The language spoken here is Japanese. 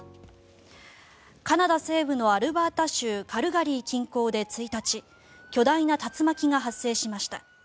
カナダ西部のアルバータ州カルガリー近郊で１日巨大な竜巻が発生しました。